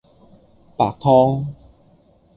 白湯